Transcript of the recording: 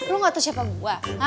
lo gak tau siapa gua